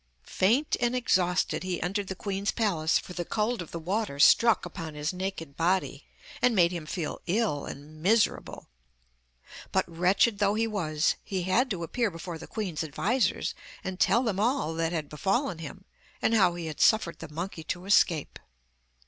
Faint and exhausted he entered the queen's palace for the cold of the water struck upon his naked body, and made him feel ill and miserable. But wretched though he was, he had to appear before the queen's advisers and tell them all that had befallen him, and how he had suffered the monkey to escape.